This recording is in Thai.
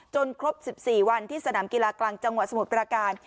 ครบ๑๔วันที่สนามกีฬากลางจังหวัดสมุทรปราการ